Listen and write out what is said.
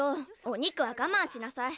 お肉はがまんしなさい。